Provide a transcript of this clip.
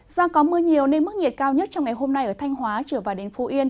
do có mưa nhiều nên mức nhiệt cao nhất trong ngày hôm nay ở thanh hóa trở vào đến phú yên